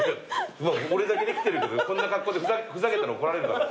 俺だけできてるけどこんな格好でふざけたら怒られるだろ。